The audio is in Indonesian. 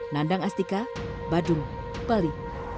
nandang astika badung bali